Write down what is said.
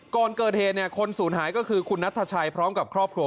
ก่อนเกิดเทคนสูญหายก็คือคุณนัททชัยพร้อมกับครอบครัว